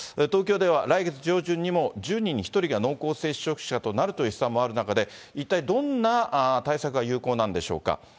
東京では来月上旬にも１０人に１人が濃厚接触者となるという試算もある中で、一体どんな対策が有効なんでしょうか。